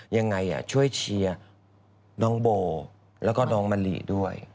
ยังไงช่วยเชียร์น้องโบแล้วก็น้องมะลิด้วย